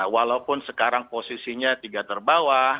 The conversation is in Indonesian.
walaupun sekarang posisinya tiga terbawah